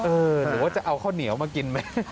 หรือว่าจะเอาข้าวเหนียวมากินไหม